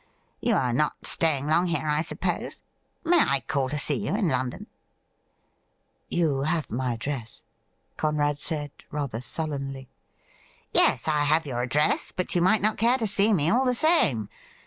You are not staying long here, I suppose ? May I call to see you in London .?'' You have my address,' Conrad said, rather sullenly. 'Yes, I have your address, but you might not care to see me, all the same.